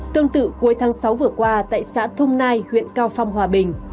tương tự cuối tháng sáu vừa qua tại xã thung nai huyện cao phong hòa bình